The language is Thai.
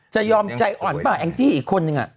จะยอมใจอ่อนปะแองซี่อีกคนนึงอ่ะ